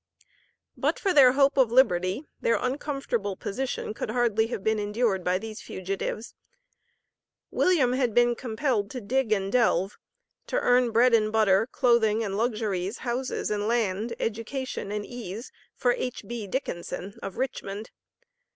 But for their hope of liberty, their uncomfortable position could hardly have been endured by these fugitives. William had been compelled to dig and delve, to earn bread and butter, clothing and luxuries, houses and land, education and ease for H.B. Dickinson, of Richmond.